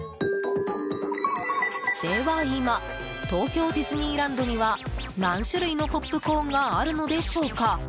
では、今東京ディズニーランドには何種類のポップコーンがあるのでしょうか？